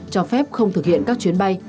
cho phép không thực hiện các chuyến bay